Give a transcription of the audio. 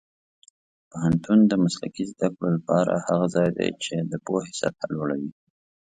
پوهنتون د مسلکي زده کړو لپاره هغه ځای دی چې د پوهې سطح لوړوي.